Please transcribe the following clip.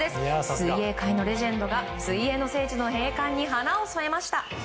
水泳界のレジェンドが水泳の聖地の閉館に花を添えました。